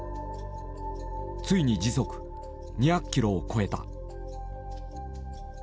ついに時速２００キロを超えた。